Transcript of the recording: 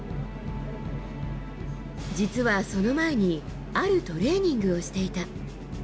実はその前に、あるトレーニングをしていた。